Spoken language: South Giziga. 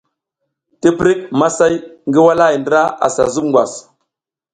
Tiptik, masay ngi walahay ndra ara zub ngwas.